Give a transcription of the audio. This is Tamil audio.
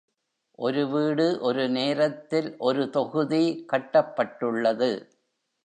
ஒரு வீடு ஒரு நேரத்தில் ஒரு தொகுதி கட்டப்பட்டுள்ளது.